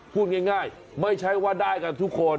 พูดง่ายไม่ใช่ว่าได้กันทุกคน